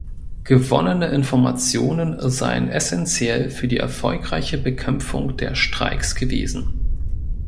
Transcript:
Gewonnene Informationen seien essenziell für die erfolgreiche Bekämpfung der Streiks gewesen.